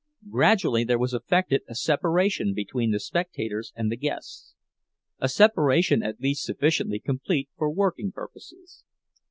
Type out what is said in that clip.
Gradually there was effected a separation between the spectators and the guests—a separation at least sufficiently complete for working purposes.